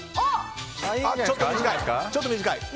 ちょっと短い。